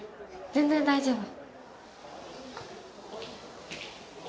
全然大丈夫。